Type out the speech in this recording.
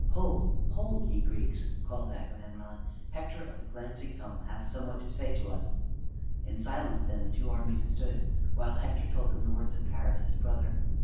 "Hold! hold! ye Greeks," called Agamemnon. "Hector of the glancing helm hath somewhat to say to us." In silence, then, the two armies stood, while Hector told them the words of Paris his brother.